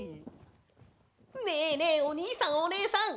ねえねえおにいさんおねえさん！